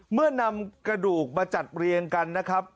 เมื่อนำกระดูกมาจัดเรียงกันนะครับ